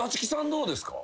どうですか？